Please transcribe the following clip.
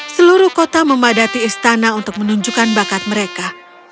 seluruh kota memadati istana untuk menunjukkan bakat mereka